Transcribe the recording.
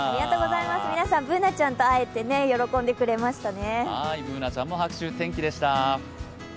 皆さんＢｏｏｎａちゃんと会えて喜んでくれましたね。